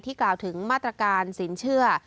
กล่าวถึงมาตรการสินเชื่อ